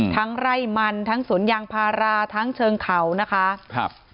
ไร่มันทั้งสวนยางพาราทั้งเชิงเขานะคะครับ